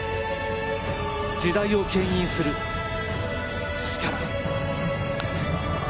時代を牽引する力。